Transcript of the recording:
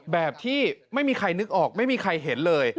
แบบที่ไม่มีใครนึกออกไม่มีใครเห็นเลย